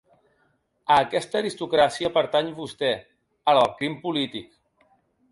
A aquesta aristocràcia pertany vostè, a la del crim polític.